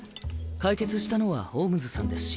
解決したのはホームズさんですし。